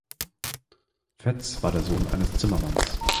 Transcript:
Fetz war der Sohn eines Zimmermanns.